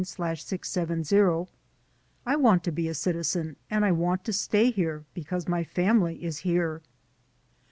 54859/670) : "I want to be a citizen and I want to stay here because my family is here."